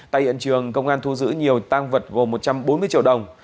tại hiện trường công an thu giữ nhiều tăng vật gồm một trăm bốn mươi triệu đồng